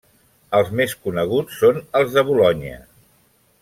Els més coneguts són els de Bolonya.